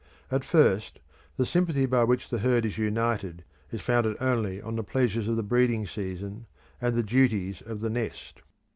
At first the sympathy by which the herd is united is founded only on the pleasures of the breeding season and the duties of the nest.